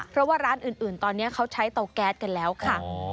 เพราะว่าร้านอื่นตอนนี้เขาใช้เตาแก๊สกันแล้วค่ะ